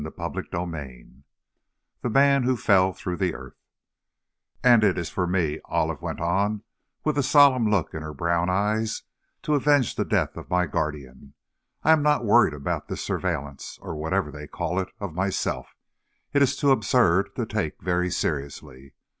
CHAPTER VIII The Man Who Fell Through the Earth "And it is for me," Olive went on, with a solemn look in her brown eyes, "to avenge the death of my guardian. I am not worried about this surveillance, or whatever they call it, of myself, it is too absurd to take very seriously.